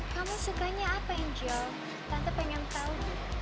kamu sukanya apa angel tante pengen tau